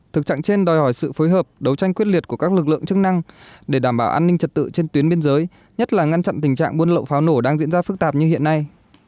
thực trạng trên đòi hỏi sự phối hợp đấu tranh quyết liệt của các lực lượng chức năng để đảm bảo an ninh trật tự trên tuyến biên giới nhất là ngăn chặn tình trạng buôn lậu pháo nổ đang diễn ra phức tạp như hiện nay